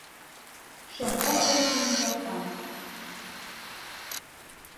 Шем рок денже мӱдалтам.